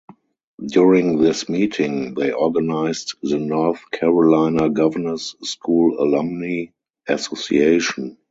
During this meeting, they organized the North Carolina Governor's School Alumni Association.